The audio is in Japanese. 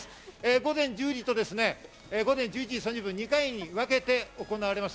午前１０時と午前１１時３０分、２回に分けて行われます。